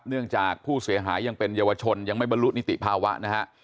เนื่องจากผู้เสียหายยังเป็นเยาวชนยังไม่บรรลุนิติภาวะนะฮะ